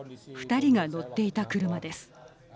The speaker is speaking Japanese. ２人が乗っていた車です。